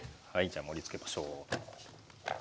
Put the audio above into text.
じゃあ盛りつけましょう。